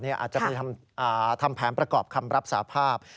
อาจจะไปทำแผนประกอบคำรับสาภาพ